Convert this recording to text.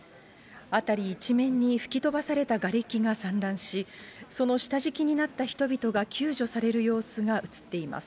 辺り一面に吹き飛ばされたがれきが散乱し、その下敷きになった人々が救助される様子が映っています。